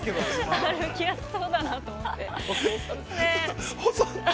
◆歩きやすそうだと思って。